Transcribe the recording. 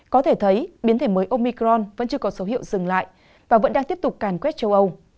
có thể thấy biến thể mới omicron vẫn chưa có dấu hiệu dừng lại và vẫn đang tiếp tục càn quét châu âu